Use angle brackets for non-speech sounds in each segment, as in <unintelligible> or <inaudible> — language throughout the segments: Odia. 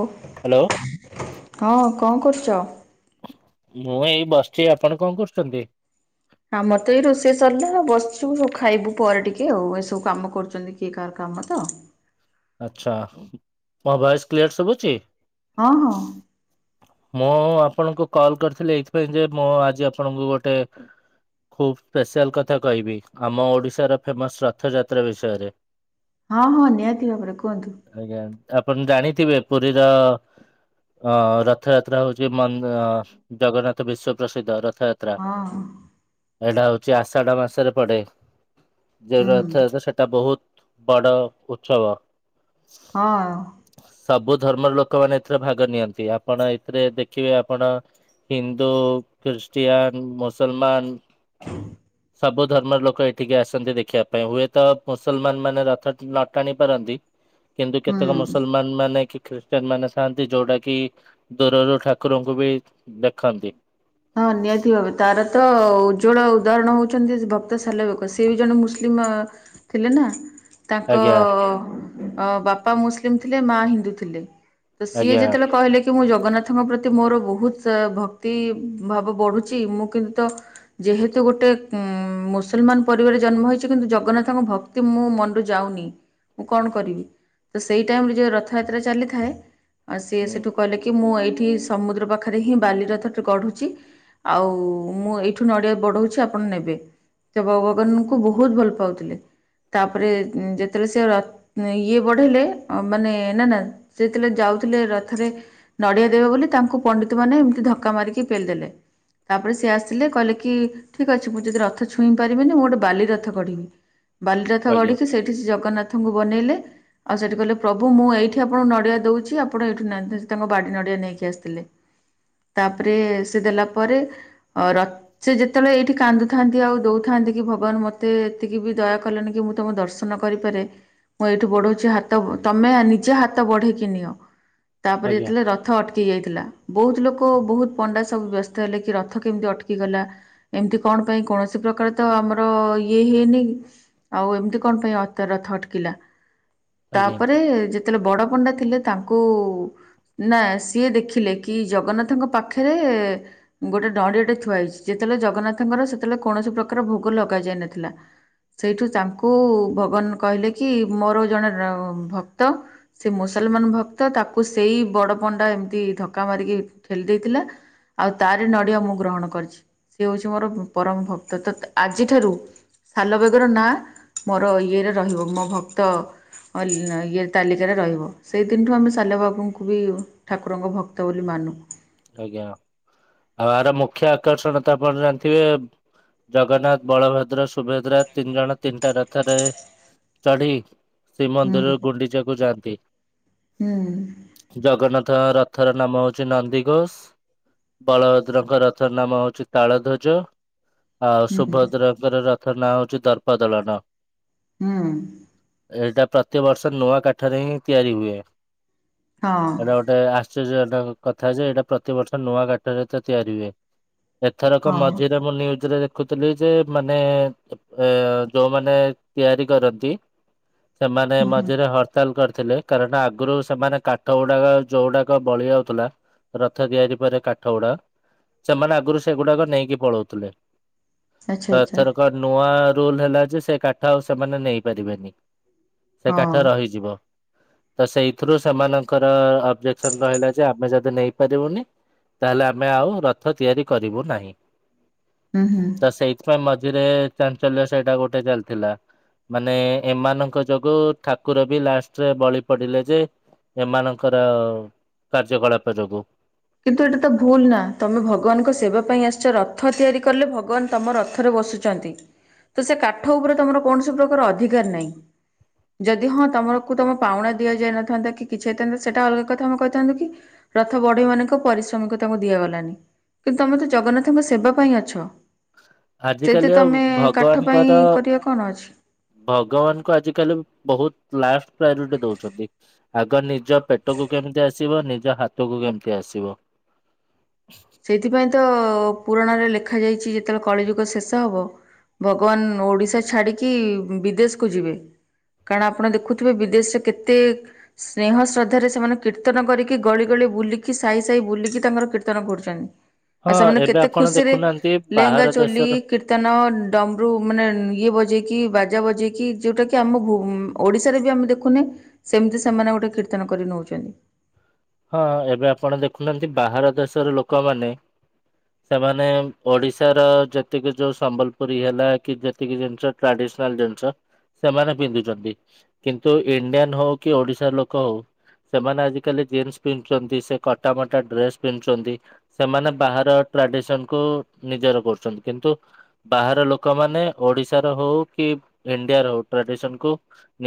ଓଃ ହ୍ୟାଲୋ ହଁ । ଙ୍କ କରୁଛ। ମୁଁ ଏଇ ବସିଚି ଆପଣ କଣ କରୁଚନ୍ତି? କାମ ତ ଏଇ ରୋଷେଇ ସରିଲା ବସଛୁ ଖାଇବୁ ପରେ ଟିକେ ଆଉ, ଏସବୁ କାମ କରୁଛନ୍ତି କିଏ କାହାର କାମ ତ । ଆଚ୍ଛା । ମୋ ଭଏସ କ୍ଲିଅର ଶୁଭୁଛି । ହଁ ହଁ। ମୁଁ ଆପଣଙ୍କୁ କଲ୍ କରିଥିଲି ଏଇଥିପାଇଁ ଯେ ମୁଁ ଆଜି ଆପଣଙ୍କୁ ଗୋଟେ ଖୁବ୍ ସ୍ପେଶାଲ କଥା କହିବି ଆମ ଓଡ଼ିଶାର ଫେମସ୍ ରଥଯାତ୍ରା ବିଷୟରେ। ହଁ ହଁ। ନିହାତିଭାବରେ ରେ କୁହନ୍ତୁ। ଆଜ୍ଞା ଆପଣ ଜାଣିଥିବେ ପୁରୀର ଅ ରଥଯାତ୍ରା ହଉଛି ମନ୍ ଜଗନ୍ନାଥ ବିଶ୍ୱ ପ୍ରସିଦ୍ଧ ରଥ ହଁ। ଏଇଟା ହଉଚି ଆଷାଢ ମାସରେ ପଡେ। ଏ ହୁଁ ରଥଯାତ୍ରା ସେଟା ବହୁତ ବଡ଼ ଭୁ ଛ ବ । ହଁ। ସବୁ ଧର୍ମର ଲୋକମାନେ ଏଥିରେ ଭାଗ ନିଅନ୍ତି, ଆପଣ ଏଥିରେ ଦେଖିବେ ଆପଣ ହିନ୍ଦୁ, ଖ୍ରୀଷ୍ଟିଆନ, ମୁସଲମାନ। ସବୁ ଧର୍ମର ଲୋକ ଏଠିକି ଆସନ୍ତି ଦେଖିବା ପାଇଁ ହୁଏତ ମୁସଲମାନ ମାନେ ରଥ ନଅ ଟାଣି ପାରନ୍ତି । କିନ୍ତୁ କେତେକ ହୁଁ ମୁସଲମାନ ମାନେ, ଖ୍ରୀ ଖ୍ରୀଷ୍ଟିୟାନ ମାନେ ଥାଆନ୍ତି ଯୋଉଟା କି ଦୂରରୁ ଠାକୁରଙ୍କୁ ବି ଦେଖନ୍ତି ହଁ ନିହାତି ଭାବରେ ତାର ତ ଉଜ୍ଜଳ ଉଦାହରଣ ହେଉଛନ୍ତି ଭକ୍ତ ସାଲବେଗ ସେ ବି ଜଣେ ମୁସଲିମ ଥିଲେ ନା । ତାଙ୍କ ଆଜ୍ଞା ଅ ଅଁ ବାପା ମୁସଲିମ ଥିଲେ ମା ହିନ୍ଦୁ ଥିଲେ। ତ ସିଏ ଆଜ୍ଞା ଯେତେବେଳେ କହିଲେ କି କି ମୁଁ ଜଗନ୍ନାଥଙ୍କ ପ୍ରତି ମୋର ବହୁତ ଭକ୍ ତୀ ଭାବ ବଢୁଛି ମୁଁ କିନ୍ତୁ ତ ଯେହେତୁ ଗୋଟେ ଉଁ ମୁସଲମାନ ପରିବାର ରେ ଜନ୍ମ ହେଇଛି କିନ୍ତୁ ଜଗନ୍ନାଥଙ୍କ ଭକ୍ତି ମୋ ମନରୁ ଯାଉନି, ମୁଁ କଣ କରିବି? ତ ସେଇ ଟାଇମରେ ଯଉ ରଥଯାତ୍ରା ଚାଲିଥାଏ। ଆ ସିଏ ହୁଁ ସେଠୁ କଲେ କି ମୁଁ ଏଇଠି ହି ସମୁଦ୍ର ପାଖରେ ହିଁ ବାଲି ରଥ ଗଢ଼ୁଛି ଆଉ ମୁଁ ଏଠୁ ନଡିଆ ବଢଉଛି ଆପଣ ନେବେ, ସେ ଭଗବାନଙ୍କୁ ବହୁତ ଭଲ ପାଉଥିଲେ, ତାପରେ ଯେତେବେଳେ ସେ ଇଏ ବଢେଇଲେ ମାନେ ନା ନା ସେ ଯେତେବେଳେ ଯାଉଥିଲେ ରଥରେ ନଡିଆ ଦେବେ ବୋଲି ତାଙ୍କୁ ପଣ୍ଡିତ ମନେ ଏମିତି ଧକ୍କା ମାରିକ୍ ପେଲ ଦେଲେ ତାପରେ ସିଏ ଆସିଲେ କହିଲେ କି ଠିକ ଅଛି ମୁଁ ଯଦି ରଥ ଛୁଇଁ ପାରିବିନି ମୁଁ ଗୋଟେ ବାଲି ରଥ ଗଢିବି। ବାଲିରଥ ଆଜ୍ଞା ଗଢିକି ସେଇଠି ସେ ଜଗନ୍ନାଥଙ୍କୁ ବନେଇଲେ। ଆଉ ସେଠି କହିଲେ ପ୍ରଭୁ ମୁଁ ଏଇଠି ଆପଣଙ୍କୁ ନଡିଆ ଦଉଛି, ଆପଣ ଏଇଠୁ ନାତ୍ ତାଙ୍କ ବାଡି ନଡିଆ ନେଇକି ଆସିଥିଲେ। ତାପ ତାପରେ ସେ ଦେଲା ପରେ ସେ ଯେତେବେଳେ ଏଇଠି କାନ୍ଦୁଥାନ୍ତି ଆଉ ଦଉଥାନ୍ତି କି ଭଗବାନ ମତେ ଏତିକି ବି ଦୟା କଲେନି କି ମୁଁ ତମ ଦର୍ଶନ କରିପାରେ ମୁଁ ଏଇଠି ବଢଉଛି ହାତ ତମେ ନିଜେ ହାତ ବଢେଇକି ନିଅ। ତାପରେ ଆଜ୍ଞା ଯେତେବେଳେ ରଥ ଅଟକି ଯାଇଥିଲା ବହୁତ ଲୋକ ବହୁତ ଡା ସବୁ ବ୍ୟସ୍ତ ହେଲେକି ରଥ କେମିତି ଅଟକି ଗଲା, ଏମତି କଣ ପାଇଁ କୌଣସି ପ୍ରକାର ତ ଆମର ଇଏ ହେଇନି ଆଉ ଏମିତି କଣ ପାଇଁ ଅତ ରେ ରଥ ଅଟକିଲା। ଆଜ୍ଞା ତାପରେ ଯେତେବେଳେ ବଡ ପଣ୍ଡା ଥିଲେ ତାଙ୍କୁ ନା ସିଏ ଦେଖିଲେ କି ଜଗନ୍ନାଥଙ୍କ ପାଖରେ ପାଖରେ ଗୋଟେ ଡଡିଟେ ଥୁଆ ହେଇଛି ଯେତେବେଳେ ଜଗନ୍ନାଥଙ୍କର ସେତେବେଳେ କୌଣସି ପ୍ରକାର ଭୋଗ ଲଗ ଯାଇନଥିଲା ସେଇଠୁ ତାଙ୍କୁ ଭଗବାନ କହିଲେ କି ମୋର ଜଣେ ଭକ୍ତ ସେ ମୁସଲମାନ ଭକ୍ତ ତାକୁ ସେଇ ବଡ଼ ପଣ୍ଡା ଏମିତି ଧକ୍କା ମାରିକି ଠେଲି ଦେଇଥିଲା। ଆଉ ତାର ନଡିଆ ମୁଁ ଗ୍ରହଣ କରିଛି, ସେଏ ହଉଛି ମୋର ପରମ ଭକ୍ତ ତ ଆଜିଠାରୁ ସାଲବେଗର ନାଁ ମୋର ଇଏରେ ରହିବ ମୋ ଭକ୍ତ ଇ ତାଲିକାରେ ରହିବ ସେଇ ଦିନଠୁ ଆମେ ସାଲବେଗଙ୍କୁ ବି ଠାକୁରଙ୍କ ଭକ୍ତ ବୋଲି ମାନୁ। ଆଜ୍ଞା ଆଉ ଏହାର ମୁଖ୍ୟ ଆକର୍ଷଣ ତ ଆପଣ ଜାଣିଥିବେ ଜଗନ୍ନାଥ ବଳଭଦ୍ର ସୁ ସୁଭଦ୍ରା ତିନି ଜଣ ତିନଟା ରଥ। ରଥରେ ଚଢ଼ି ଶ୍ରୀମନ୍ଦିରରୁ ହୁଁ। ଗୁଣ୍ଡିଚାକୁ ଯାଆନ୍ତି। ହୁଁ। ତ ରଥର ନାମ ହଉଛି ନନ୍ଦୀ ଘୋଷ ବଳଭଦ୍ରଙ୍କ ରଥ ନାମ ହଉଛି ତାଳଧ୍ୱଜ। ଆଉ ହୁଁ ସୁଭଦ୍ରାଙ୍କର ରଥ ତାର ନାଁ ହଉଛି ଦର୍ପଦଳନ। ହୁଁ। ଏଇଟା ପ୍ରତିବର୍ଷ ନୂଆ କାଠରେ ହିଁ ତିଆରି ହୁଏ। ହଁ ଏଇଟା ଗୋଟେ ଆସ ସେ ଯେ <unintelligible> ଯଥା ଯେ ଏଇଟା ପ୍ରତିବର୍ଷ ନୂଆ କାଠରେ ତ ତିଆରି ହୁଏ। ଏଥରକ ହଁ। ମଝିରେ ମୁଁ ନ୍ୟୁଜରେ ଦେଖି ଦେଖୁଥିଲି ଯେ ମାନେ ଏ ଯୋଉମାନେ ତିଆରି କରନ୍ତି ସେମାନେ ହୁଁ ମଝିରେ ହରତାଲ କରି ଥିଲେ କାରଣ ଆଗରୁ ସେମାନେ କାଠ ଗୁଡାକ ଯୋଉ ଗୁଡାକ ବଳି ଯାଉଥିଲା ରଥ ତିଆରି ପରେ କାଠ ଗୁଡା ସେମାନେ ଆଗରୁ ସେଗୁଡାକ ନେଇକି ପଳଉଥିଲେ। ଆଚ୍ଛା ତ ଆଚ୍ଛା। ଏଥରକ ନୂଆ ରୁଲ ହେଲା ଯେ ସେ କାଠ ଆଉ ସେମାନେ ନେଇପାରିବେନି। ସେ ହଁ କାଠ ରହିଯିବ। ତ ସେଇଥିରୁ ସେମାନଙ୍କର ଅବଜେକ୍ସନ ରହିଲା ଯେ ଆମେ ଯଦି ନେଇପାରିବୁନି ତାହେଲେ ଆମେ ଆଉ ରଥ ତିଆରି କରିବୁ ନାହିଁ। ହୁଁ ହୁଁ। ତ ସେଇଥ୍ ପାଇଁ ମ ରେ ଚାଞ୍ଚଲ୍ୟ ସେଇଟା ଗୋଟେ ଚାଲିଥିଲା ମାନେ ଏମାନଙ୍କ ଯୋଗୁ ଠାକୁର ବି ଲାଷ୍ଟରେ ବଳି ପଡିଲେ ଯେ ଏମାନଙ୍କର କାର୍ଯ୍ୟକଳାପ ଯୋଗୁ। କିନ୍ତୁ ଏଇଟା ତ ଭୁଲ ନା ତମେ ଭଗବାନଙ୍କ ସେବା ପାଇଁ ଆସିଛ ରଥ ତିଆରି କଲେ ଭଗବାନ ତମ ରଥରେ ବସୁଛନ୍ତି ତ ସେ କାଠ ଉପରେ ତମର କୌଣସି ପ୍ରକାର ଅଧିକାର ନାହିଁ । ଯଦି ହଁ ତମରକୁ ତମ ପାଉଣା ଦିଆଯାଇନଥାନ୍ତା କି କିଛି ହେଇଥାନ୍ତା ସେଇଟା ଅଲଗା କଥା ତମେ କହିଥାନ୍ତ କି ରଥ ବଢେଇ ମାନ ପରିଶ୍ରମିକ ତାଙ୍କୁ ଦିଆଗଲାନି କିନ୍ତୁ ତମେ ତ ଜଗନ୍ନାଥଙ୍କ ସେବା ପାଇଁ ଅଛ ସେଇଠି ଆଜିିକାଲି ତମେ କାଠ ପାଇଁ ଭଗବାନଙ୍କର କରିବା କଣ ଅଛି? ଭଗବାନଙ୍କୁ ଆଜିକାଲି ବହୁତ ଲା ପ୍ରାୟୋରିଟି ଦଉଛନ୍ତି ଆଗ ନି ନିଜ ପେଟକୁ କେମିତି ଆସିବ ନି ଯ ହାତକୁ କେମତି ଆସିବ ସେଇଥିପାଇଁ ତ ପୁରାଣରେ ଲେଖା ଯାଇଛି ଯେତେବେଳେ କଳିଯୁଗ ଶେଷ ହବ ଭଗବାନ ଓଡିଶା ଛାଡିକି ବିଦେଶକୁୁ ଯିବେ କାରଣ ଆପଣ ଦେଖୁଥିବେ ବିଦେଶରେ କେତେ ସ୍ନେହଁ ଶ୍ରଦ୍ଧାରେ ସେମାନେ କୀର୍ତନ କରିକି ଗଳି ଗଳି ବୁଲିକି ସାହି ସାହି ହବ ଭଗବାନ ଓଡିଶା ଛାଡି ବିଦେଶୀ କୁ ଯିବେ କାରଣ ଆପଣ ଦେଖୁଥିବେ ବିଦେଶରେ କେତେ ସ୍ନେହ ଶ୍ରଦ୍ଧାରେ ସେମାନେ କୀର୍ତ୍ତନ କରିକି ଗଳି ଗଳି ବୁଲିକି ସାହି ସାହି ଏବଂନ୍ <inaudible> ଆଉ ହଁ ସେମାନେ ଏବେ କେତେ ଆପଣ ଖୁସିରେ ଦେଖୁନାହାନ୍ତି ଲେହେଙ୍ଗା ବାହାର ଚୋଲି ଦେଶର କୀର୍ତ୍ତନ ଡମ୍ବରୁ ମାନେ ଇଏ ବଜେଇକି ବାଜା ବଜେଇକି ଯୋଉଟା କି ଆମ ଓଡିଶାରେ ବି ଆମେ ଦେଖୁନେ ସେମିତି ସେମାନେ ଗୋଟେ କୀର୍ତ୍ତନ କରି ନଉଛନ୍ତି ହଁ ଏବେ ଆପଣ ଦେଖୁନାହାନ୍ତି ବାହାର ଦେଶର ଲୋକମାନେ ସେମାନେ ଓଡିଶାର ଯେତିକି ଯୋଉ ସମ୍ବଲପୁରୀ ହେଲା କି ହଁ ଆପଣ ଦେଖୁନାହାନ୍ତି ଲୋକମାନେ ଓଡିଶା ର ଯୋଉ ସମ୍ବଲପୁରୀ ହେଲା ଯେତିକି ଜିନିଷ ଟ୍ରାଡିସନାଲ ଜିନିଷ ସେମାନେ ପିନ୍ଧୁଛନ୍ତି କିନ୍ତୁ ଇଣ୍ଡିଆନ ହଉ କି ଓଡିଶାର ଲୋକ ହଉ ସେମାନେ ଆଜିକାଲି ଜିନ୍ସ ପିନ୍ଧୁଛନ୍ତି ସେ କଟା ମଟା ଡ୍ରେସ୍ ପିନ୍ଧୁଛନ୍ତି ସେମାନେ ବାହାର ଟ୍ରାଡିସନ କୁ ନିଜର କରୁଛନ୍ତି କିନ୍ତୁ ବାହାର ଲୋକମାନେ ଓଡିଶାର ହଉ କି ଇଣ୍ଡିଆର ହଉ ଟ୍ରାଡିସନ କୁ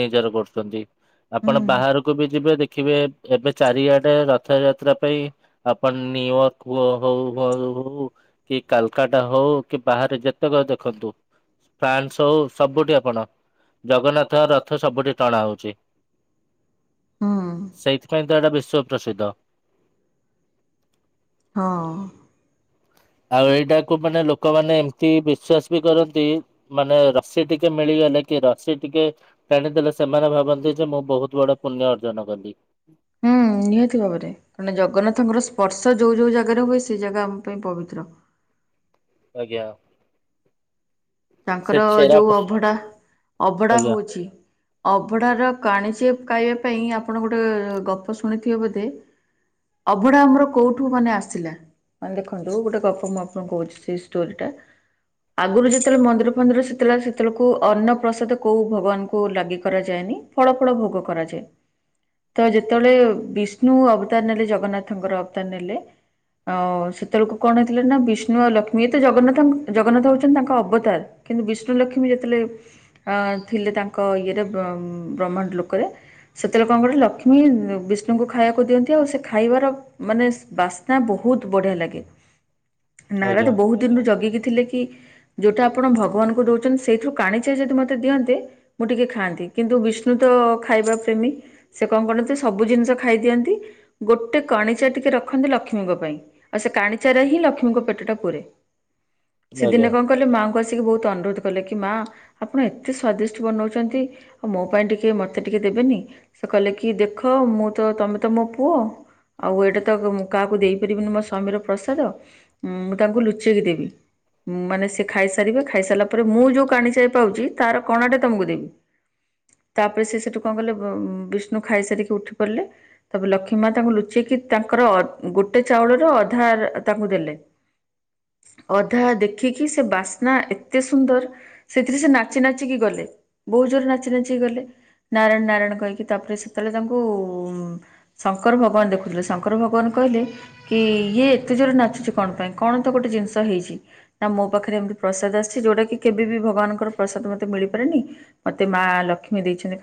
ନିଜର କରୁଛନ୍ତି ଆପଣ ହୁଁ। ବାହାରକୁ ବି ଯିବେ ଦେଖିବେ ଏବେ ଚାରିଆଡ଼େ ଗଟ ରଥ ଯାତ୍ରା ପାଇଁ ଆପଣ ନିୁୟର୍କ ହଉ ହ ହଉ କି କାଲକାଟା ହଉ କି ବାହାରେ ଯେତେକ ଦେଖନ୍ତୁ ଫ୍ରାନ୍ସ ହଉ ସବୁଠି ଆପଣ ଜଗନ୍ନାଥ ଙ୍କ ରଥ ସବୁଠି ଟଣା ହଉଛି ହୁଁ ସେଇଥିପାଇଁ ତ ଏଇଟା ବିଶ୍ଵ ପ୍ରସିଦ୍ଧ। ହଁ, ଆଉ ଏଇଟାକୁ ମାନେ ଲୋକମାନୋନ ଏମିତି ବିଶ୍ଵାସ ବି କରନ୍ତି ମାନେ ରସି ଟିକେ ମିଳିଗଲେ କି ରସି ଟିକେ ଟାଣିଦେଲେ ସେମାନେ ଭାବନ୍ତି ଯେ ମୁଁ ବହୁତ ବଡ ପୁଣ୍ୟ ଅର୍ଜନ କଲି ହୁଁ ନିହାତି ଭାବରେ ମାନେ ଜଗନ୍ନାଥଙ୍କର ସ୍ପର୍ଶ ଚା ଯୋଉ ଯୋଉ ଜାଗାରେ ହୁଏ ସେଇ ଜାଗା ଆମ ପାଇଁ ପବିତ୍ର। ଆଜ୍ଞା। ସେ ତାଙ୍କର ଛେରା ଯୋଉ ଅଭଢା ଅଭଢା ଆଜ୍ଞା ହଉଛି ଅଭଢାର କାଣିଚେ ପାଇାଇବା ପାଇଁ ଆପଣ ଗୋଟେ ଗପ ଶୁଣିଥିବେ ବୋଧେ ଅଭଢା ଆମର କୋଉଠୁ ମାନେ ଆସିଲା ମାନେ ଦେଖନ୍ତୁ ଗୋଟେ ଗପ ମୁଁ ଆପଣଙ୍କୁ କହୁଛି ସେ ଷ୍ଟୋରିଟା ଆଗରୁ ଯଦି ଯେତେବେଳେ ମନ୍ଦିର ଫନ୍ଦିର ସେତେବେଳେ ସେତେବେଳକୁ ଅନ୍ନ ପ୍ରସାଦ କୋଉ ଭଗବାନଙ୍କୁ ଲାଗି କରାଯାଏନି ଫଳ ଫଳ ଭୋଗ କରାଯାଏ ତ ଯେତେବେଳେ ବିଷ୍ଣୁ ଅବତାର ନେଲେ ଜଗନ୍ନାଥଙ୍କର ଅବତାର ନେଲେ ଆ ସେତେବେଳକୁ କଣ ହେଇଥିଲେ ନା ବିଷ୍ଣୁ ଆଉ ଲକ୍ଷ୍ମୀ ତ ଜଗନ୍ନାଥ ଜଗନ୍ନାଥ ହଉଛନ୍ତି ତାଙ୍କର ଅବତାର କିନ୍ତୁ ବିଷ୍ଣୁ ଲକ୍ଷ୍ମୀ ଯେତେବେଳେ ଥିଲେ ତାଙ୍କ ଇଏରେ ବ୍ରହ୍ମାଣ୍ଡ ଲୋକରେ ସେତେବେଳେ କଣ କ ଲକ୍ଷ୍ମୀ ବିଷ୍ଣୁଙ୍କୁ ଖାଇବାକୁ ଦିଅନ୍ତି ଆଉ ସେ ଖାଇବାର ମାନେ ବାସ୍ନା ବହୁତ ବଢିଆ ଲାଗେ। ନାରଦ ଆଜ୍ଞା ବହୁତ ଦିନରୁ ଜଗିକି ଥିଲେ କି ଯୋଉଟା, ଆପଣ ଭଗବାନଙ୍କୁ ଦଉଛନ୍ତି ସେଇଥିରୁ କାଣିଚ ଯଦି ମୋତେ ଦିଅନ୍ତେ ମୁଁ ଟିକେ ଖାଆନ୍ତି କିନ୍ତୁ ବିଷ୍ଣୁ ତ ଖାଇବା ପ୍ରେମୀ ସେ କଣ କରନ୍ତି ସବୁ ଜିନିଷ ଖାଇଦିଅନ୍ତି ଗୋଟେ କଣିଚା ଟିକେ ରଖନ୍ତି ଲକ୍ଷ୍ମୀଙ୍କ ପାଇଁ ଆଉ ସେ କାଣିଚଟ ହିଁ ଲକ୍ଷ୍ମୀଙ୍କ ପେଟ ଟା ପୁରେ। ଆଜ୍ଞା। ସେଦିନେ କଣ କଲେ ମାଆଙ୍କୁ ବହୁତ ଅନୁରୋଧ କଲେ କି ମା ଆପଣ ଏତେ ସ୍ଵାଦିଷ୍ଟ ବନଉଛନ୍ତି ଆଉ ମୋ ପାଇଁ ଟିକେ ମତେ ଟିକେ ଦେବେନି ସେ କହିଲେ କି ଦେଖ ମୁଁ ତ ତମେ ତ ମୋ ପୁଅ ଆଉ ଏଇଟା ତ କାହାକୁ ଦେଇପାରିବିନି ମୋ ସ୍ୱାମୀର ପ୍ରସାଦ ମୁଁ ତାଙ୍କୁ ଲୁଚେଇକି ଦେବି ମାନେ ଖାଇସା ଖାଇ ସାରିଲା ପରେ ମୁଁ ଯୋଉ କାଣିଚ ପାଉଛି ତାର କଣାଟେ ତମକୁ ଦେବି ତାପରେ ସେ ସେଠୁ କଣ କଲେ ବିଷ୍ଣୁ ଖାଇସାରି ଉଠି ଉଠିପଡିଲେ ତାପରେ ଲକ୍ଷ୍ମୀ ମା ତାଙ୍କୁ ଲୁଚେଇକି ତାଙ୍କର ଗୋଟେ ଚାଉଳରେ ଅଧା ତାଙ୍କୁ ଦେଲେ ଅଧା ଦେଖିକି ସେ ବାସ ନା ଏତେ ସୁନ୍ଦର ସେଥିରେ ସେ ନାଚି ନାଚିକି ଗଲେ ବହୁତ ଜୋରରେ ନାଚି ନାଚିକି ଗଲେ ନାରାୟଣ ନାରାୟଣ କହିକି ତାପରେ ସେତେବେଳେ ତାଙ୍କୁ ଉ ଶଙ୍କର ଭଗବାନ ଦେଖୁଥିଲେ ଶଙ୍କର ଭଗବାନ କହିଲେ କି ଇଏ ଏତେ ଜୋର ନାଚୁଛି କଣ ପାଇଁ କଣ ତ ଗୋଟେ ଜିନିଷ ହେଇଛି ନା ମୋ ପାଖରେ ଏମିତି ପ୍ରସାଦ ଆସିଛି ଯୋଉଟା କି କେବେ ବିି ଭଗବାନଙ୍କର ପ୍ରସାଦ ମତେ ମିଳିପାରେନି ମତେ ମା ଲକ୍ଷ୍ମୀ ଦେଇଛନ୍ତି କ